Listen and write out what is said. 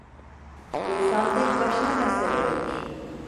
İnsan tek başına da sevebilir.